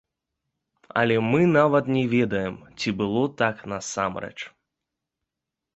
Але мы нават не ведаем, ці было так насамрэч.